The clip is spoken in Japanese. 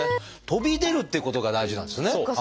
「飛び出る」ということが大事なんですね。